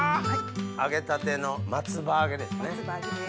揚げたての松葉揚げですね。